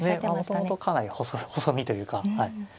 もともとかなり細身というかはい。